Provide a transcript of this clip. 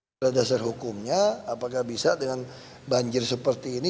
pada dasar hukumnya apakah bisa dengan banjir seperti ini